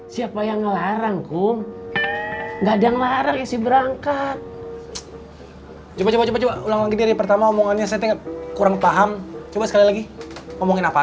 sampai jumpa di video selanjutnya